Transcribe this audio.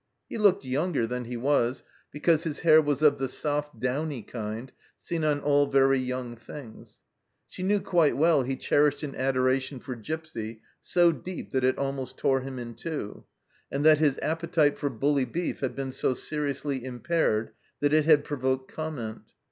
He looked younger than he was, because his hair was of the soft downy kind seen on all very young things. She knew quite well he cherished an adoration for Gipsy so deep that it almost tore him in two, and that his appetite for bully beef had been so seriously impaired that it had provoked comment.